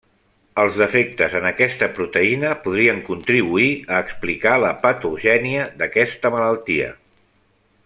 Els defectes en aquesta proteïna podrien contribuir a explicar la patogènia d'aquesta malaltia.